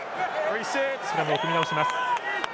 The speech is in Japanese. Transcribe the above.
スクラムを組みなおします。